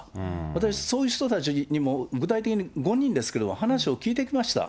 私、そういう人たちにも具体的に、５人ですけれども、話を聞いてきました。